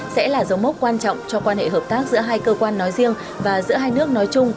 sẽ là dấu mốc quan trọng cho quan hệ hợp tác giữa hai cơ quan nói riêng và giữa hai nước nói chung